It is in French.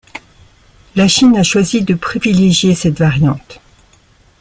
La Chine a choisi de privilégier cette variante.